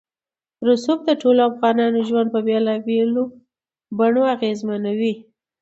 رسوب د ټولو افغانانو ژوند په بېلابېلو بڼو اغېزمنوي.